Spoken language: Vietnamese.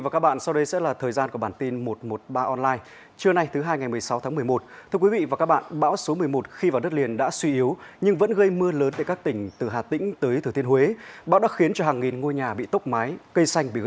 chào mừng quý vị đến với bản tin một trăm một mươi ba online